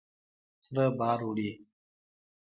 خره بار وړي.